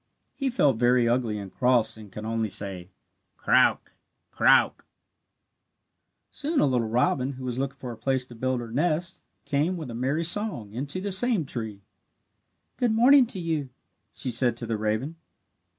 He felt very ugly and cross, and could only say, "Croak! Croak!" Soon a little robin, who was looking for a place to build her nest, came, with a merry song, into the same tree. "Good morning to you," she said to the raven.